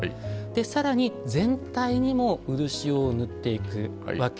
更に全体にも漆を塗っていくわけですよね。